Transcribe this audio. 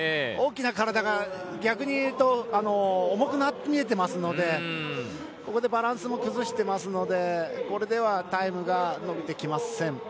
大きな体が逆にいうと重く見えてますのでここでバランスも崩していますのでこれではタイムが伸びてきません。